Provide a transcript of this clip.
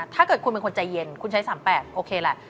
ถ้าเกิดคุณเป็นคนใจเย็นคุณใช้๓๘โอเคแหละ